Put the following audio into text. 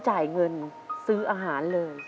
จ่ายเงินซื้ออาหารเลย